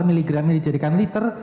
milligramnya dijadikan liter